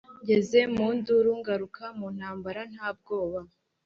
Ngeze mu nduru ngaruka mu ntambara nta bwoba.